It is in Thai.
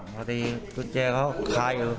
พอดีกุญแจเขาคายอยู่